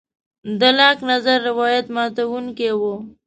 د لاک نظر روایت ماتوونکی و.